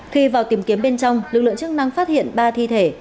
khi vào tìm kiếm bên trong lực lượng chức năng phát hiện ba thi thể